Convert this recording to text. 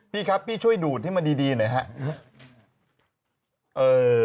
พี่ครับพี่ช่วยดูดให้มันดีหน่อยครับ